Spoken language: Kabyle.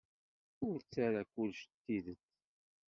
Ur ttarra kullec d tidet.